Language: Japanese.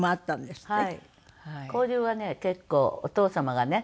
交流はね結構お父様がね。